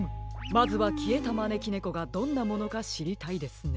まずはきえたまねきねこがどんなものかしりたいですね。